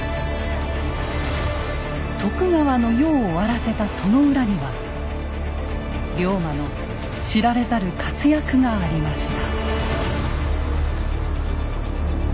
徳川の世を終わらせたその裏には龍馬の知られざる活躍がありました。